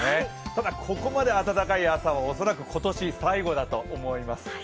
ただここまで暖かい朝は多分今年最後だと思います。